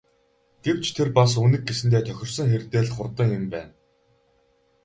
Гэвч тэр бас Үнэг гэсэндээ тохирсон хэрдээ л хурдан юм байна.